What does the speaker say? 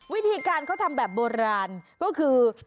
วิธีการเขาทำแบบโบราณก็คือ